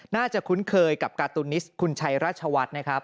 น่าจะคุ้นเคยกับการ์ตูนิสต์คุณชัยราชวรรษนะครับ